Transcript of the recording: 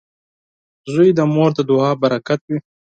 • زوی د مور د دعاو برکت وي.